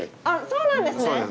あそうなんですね！